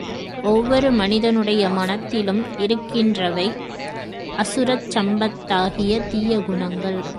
ஒவ்வொரு மனிதனுடைய மனத் திலும் இருக்கின்றவை அசுர சம்பத்தாகிய தீய குணங்கள்.